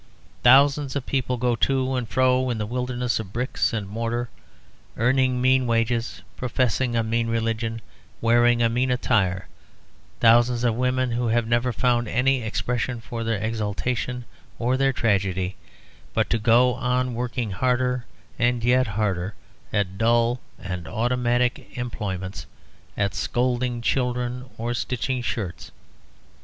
Thousands of people go to and fro in the wilderness of bricks and mortar, earning mean wages, professing a mean religion, wearing a mean attire, thousands of women who have never found any expression for their exaltation or their tragedy but to go on working harder and yet harder at dull and automatic employments, at scolding children or stitching shirts.